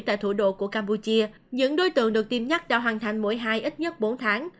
tại thủ đô của campuchia những đối tượng được tiêm nhắc đã hoàn thành mỗi hai ít nhất bốn tháng